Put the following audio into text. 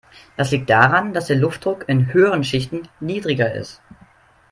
Das liegt daran, dass der Luftdruck in höheren Schichten niedriger ist.